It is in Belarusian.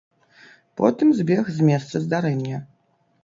Потым збег з месца здарэння.